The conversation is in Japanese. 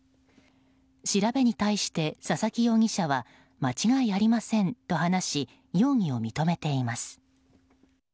調べに対して佐々木容疑者は間違いありませんと話し容疑を認めています。